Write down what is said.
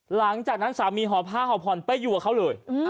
หลังจากนั้นสามีห่อผ้าห่อผ่อนไปอยู่กับเขาเลย